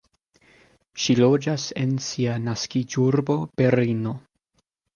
Ŝi loĝas en sia naskiĝurbo Berlino.